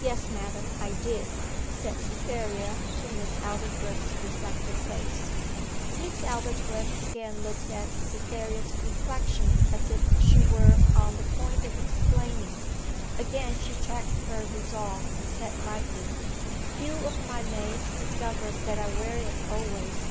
'Yes, madam, I did,' said Cytherea to Miss Aldclyffe's reflected face. Miss Aldclyffe again looked at Cytherea's reflection as if she were on the point of explaining. Again she checked her resolve, and said lightly 'Few of my maids discover that I wear it always.